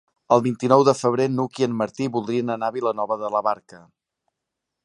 El vint-i-nou de febrer n'Hug i en Martí voldrien anar a Vilanova de la Barca.